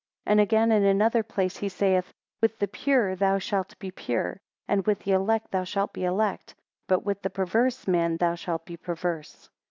13 And again in another place he saith, With the pure, thou shalt be pure (and with the elect thou shalt be elect,) but with, the perverse man thou shalt be perverse.